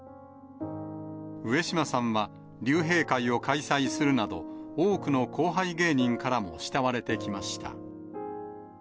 上島さんは、竜兵会を開催するなど、多くの後輩芸人からも慕われてきました。